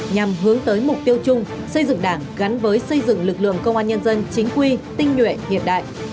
nhằm hướng tới mục tiêu chung xây dựng đảng gắn với xây dựng lực lượng công an nhân dân chính quy tinh nhuệ hiện đại